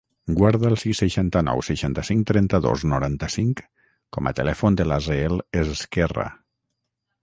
Guarda el sis, seixanta-nou, seixanta-cinc, trenta-dos, noranta-cinc com a telèfon de l'Aseel Ezquerra.